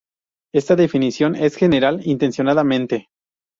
Esta definición es general intencionadamente.